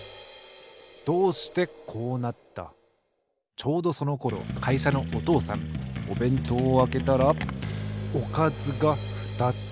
ちょうどそのころかいしゃのお父さんおべんとうをあけたらおかずがふたつ。